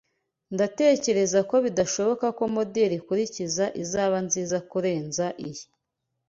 Ndatekereza ko bidashoboka ko moderi ikurikira izaba nziza kurenza iyi.